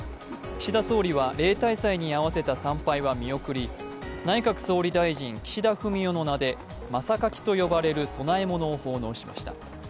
岸田総理は例大祭に合わせた参拝は見送り内閣総理大臣・岸田文雄の名でまさかきと呼ばれる供え物を奉納しました。